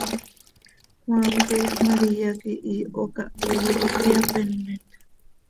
Cmaam, tiix María quih iiho cah hooro cöiyapeenet.